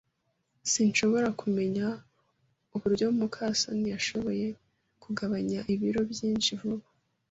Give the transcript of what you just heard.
S] [S] Sinshobora kumenya uburyo muka soni yashoboye kugabanya ibiro byinshi vuba.